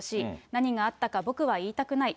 何があったか僕は言いたくない。